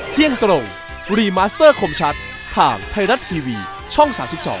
เที่ยงตรงรีมาสเตอร์คมชัดทางไทยรัฐทีวีช่อง๓๒